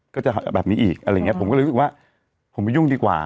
ก็จะแบบนี้อีกอะไรอย่างเงี้ผมก็เลยรู้สึกว่าผมไปยุ่งดีกว่า